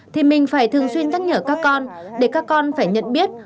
thì mình phải thường xuyên nhắc nhở các con để các con phải nhận biết